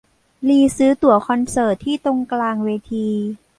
ลีซื้อตั๋วคอนเสิร์ตที่ตรงกลางเวที